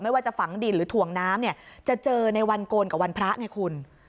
ว่าจะฝังดินหรือถ่วงน้ำเนี่ยจะเจอในวันโกนกับวันพระไงคุณ